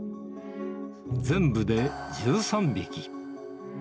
全部で１３匹。